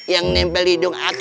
yang nempel hidung aku